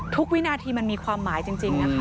วินาทีมันมีความหมายจริงนะคะ